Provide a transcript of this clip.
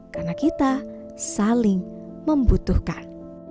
karena kita saling membutuhkan